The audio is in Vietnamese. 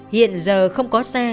hiện giờ không có xe